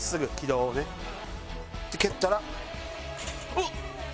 おっ！